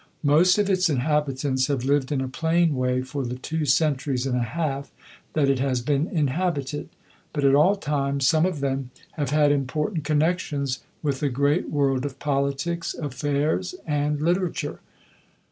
Most of its inhabitants have lived in a plain way for the two centuries and a half that it has been inhabited; but at all times some of them have had important connections with the great world of politics, affairs, and literature.